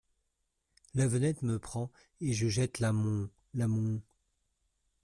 La venette me prend et je jette la mon … la mon …